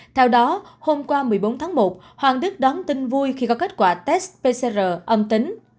theo đó hôm qua một mươi bốn tháng một hoàng đức đón tin vui khi có kết quả test pcr âm tính